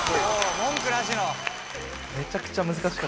文句なしの。